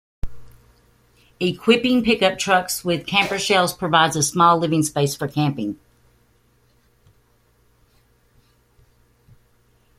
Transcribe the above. Equipping pickup trucks with camper shells provides a small living space for camping.